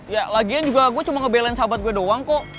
ya lagian juga gue cuma ngebelain sahabat gue doang kok